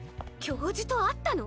教授とあったの？